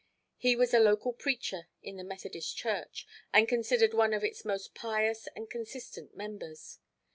He was a local preacher in the Methodist Church, and considered one of its most pious and consistent members.